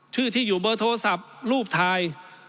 ชื่อที่อยู่เบอร์โทรศัพท์รูปถ่าย